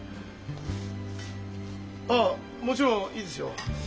ああもちろんいいですよ。